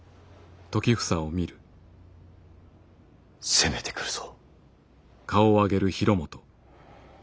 攻めてくるぞ。